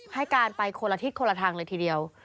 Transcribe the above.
ให้การไปคนละทิศคนละทางเลยทีเดียว